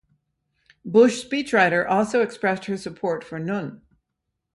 Bush speechwriter also expressed her support for Nunn.